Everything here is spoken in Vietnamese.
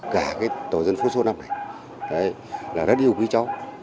cả tòa dân phố số năm này rất yêu quý chó